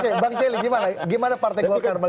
oke bang celi gimana partai kewarganegaraan meliang